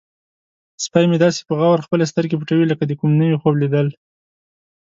سپی مې داسې په غور خپلې سترګې پټوي لکه د کوم نوي خوب لیدل.